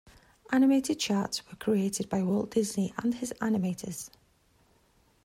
Animated charts were created by Walt Disney and his animators.